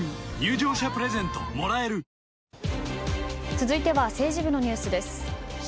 続いては政治部のニュースです。